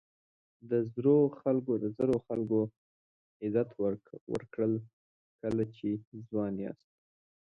د زړو خلکو عزت وکړه کله چې ځوان یاست.